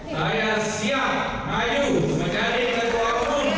saya siap maju menjadi ketua umum partai golkar